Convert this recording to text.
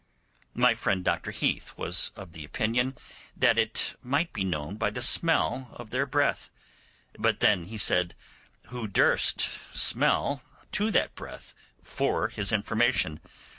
My friend Dr Heath was of opinion that it might be known by the smell of their breath; but then, as he said, who durst smell to that breath for his information?